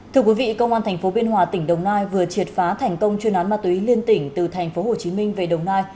thưa quý vị công an thành phố biên hòa tỉnh đồng nai vừa triệt phá thành công chuyên án ma túy liên tỉnh từ thành phố hồ chí minh về đồng nai